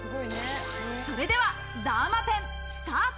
それではダーマペン、スタート！